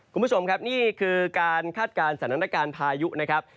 คุณผู้ชมครับนี่คือการคาดการณ์สถานการณ์พายุนะครับ